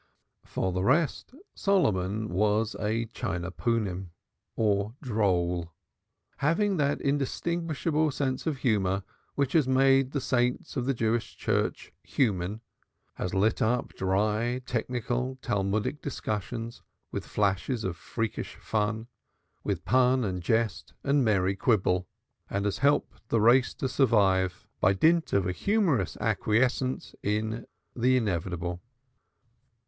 For the rest, Solomon was a Chine ponim, or droll, having that inextinguishable sense of humor which has made the saints of the Jewish Church human, has lit up dry technical Talmudic, discussions with flashes of freakish fun, with pun and jest and merry quibble, and has helped the race to survive (pace Dr. Wallace) by dint of a humorous acquiescence in the inevitable.